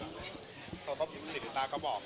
พี่เต้อยากมีไม่เดีี่ยวพี่หร่อยกับที่กอสนะคะ